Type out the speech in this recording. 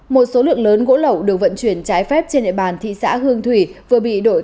một số lượng lớn gỗ lậu được vận chuyển trái phép trên địa bàn thị xã hương thủy vừa bị đội